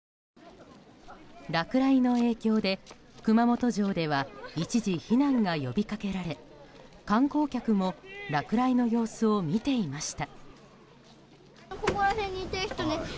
落雷の影響で熊本城では一時避難が呼びかけられ観光客も落雷の様子を見ていました。